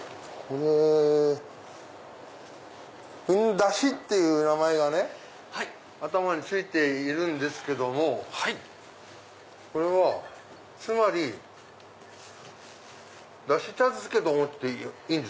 「だし」っていう名前がね頭に付いているんですけどもこれはつまりダシ茶漬けと思っていいですか？